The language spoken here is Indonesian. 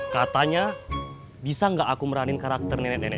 katanya bisa gak aku meranin karakter nenek nenek